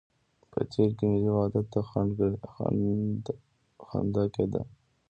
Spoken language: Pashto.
په تېر کې ملي وحدت ته خنده کېده.